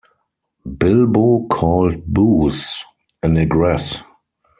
Bilbo called Booze, a negress.